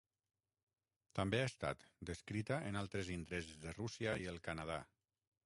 També ha estat descrita en altres indrets de Rússia i el Canadà.